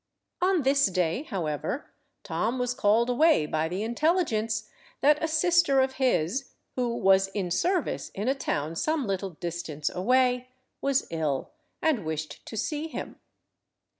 On this day, however, Tom was called away by the intelligence that a sister of his, who was in service in a town some little distance away, was ill and wished to see him.